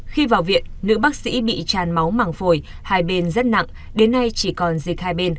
khi vào viện nữ bác sĩ bị tràn máu màng phổi hai bên rất nặng đến nay chỉ còn dịch hai bên